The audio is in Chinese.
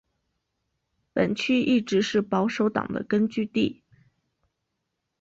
本区一直是保守党的根据地。